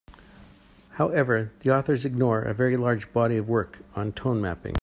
However, the authors ignore a very large body of work on tone mapping.